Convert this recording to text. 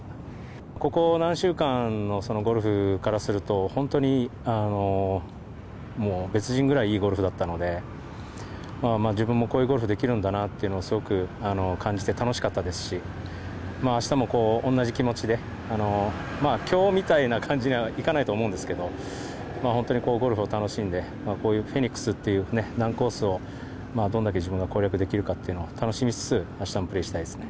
ここ何週間のゴルフからすると、本当に別人ぐらいいいゴルフだったので、自分もこういうゴルフができるんだなと感じて楽しかったですし、あしたも同じ気持ちで、きょうみたいな感じにはいかないと思うんですけど、本当にゴルフを楽しんで、こういうフェニックスという難コースをどれだけ自分が攻略できるかというのを楽しみつつ、あしたもプレーしたいですね。